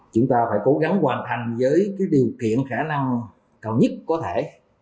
chúng ta phải cố gắng hoàn thành với điều kiện khả năng cao nhất có thể